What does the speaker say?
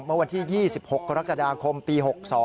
เมื่อวันที่๒๖กรกฎาคมปี๖๒